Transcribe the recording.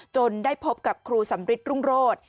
ได้พบกับครูสำริทรุ่งโรธ